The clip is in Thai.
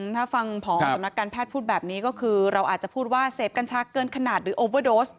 ถ้าฟังผอสำนักการแพทย์พูดแบบนี้ก็คือเราอาจจะพูดว่าเสพกัญชาเกินขนาดหรือโอเวอร์โดส